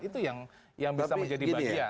itu yang bisa menjadi bagian